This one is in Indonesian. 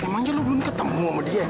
emangnya lu belum ketemu sama dia